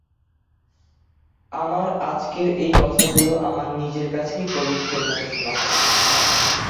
আমার আজকের এই কথাগুলো আমার নিজের কাছেই কবিত্বের মতো শোনাচ্ছে।